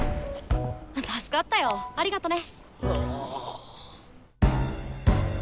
助かったよ。ありがとね！